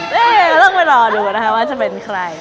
เฮ้ยเราต้องไปรอดูนะคะว่าจะเป็นใคร